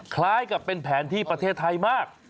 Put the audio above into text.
คล้ายกับเป็นแผนที่ประเทศไทยมาก